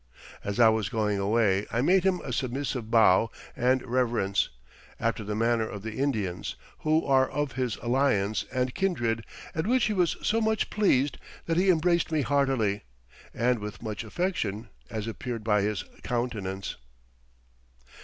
As I was going away I made him a submissive bow and reverence, after the manner of the Indians, who are of his Alliance and Kindred, at which he was so much pleased, that he embraced me heartily, and with much affection, as appeared by his Countenance."